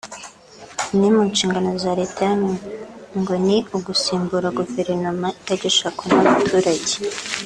Imwe mu nshingano za Leta yanyu ngo ni «ugusimbura Guverinoma itagishakwa n’abaturage